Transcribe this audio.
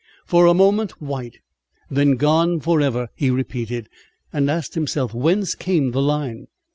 "For a moment white, then gone forever," he repeated, and asked himself whence came the line.